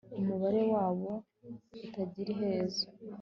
Umubare wabo utagira iherezo